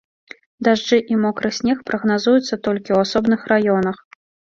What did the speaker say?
Дажджы і мокры снег прагназуюцца толькі ў асобных раёнах.